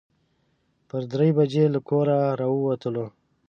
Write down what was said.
پر درې بجې له کوره راووتلو.